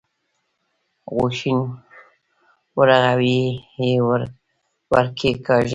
غوښين ورغوی يې ور کېکاږه.